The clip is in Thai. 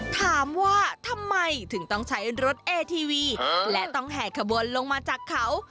ถามว่าทำไมถึงต้องใช้รถเอทีวีและต้องแห่ขบวนลงมาจากเขา